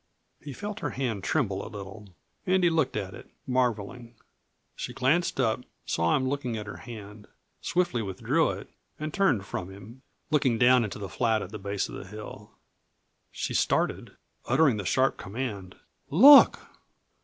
He felt her hand tremble a little, and he looked at it, marveling. She glanced up, saw him looking at her hand, swiftly withdrew it, and turned from him, looking down into the flat at the base of the hill. She started, uttering the sharp command: "Look!"